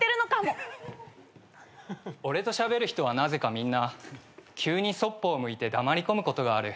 俺としゃべる人はなぜかみんな急にそっぽを向いて黙り込むことがある。